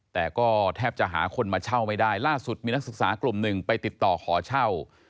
แต่ก็แทบจะหาคนมาเช่าไม่ได้ล่าสุดมีนักศึกษากลุ่มหนึ่งไปติดต่อขอเช่า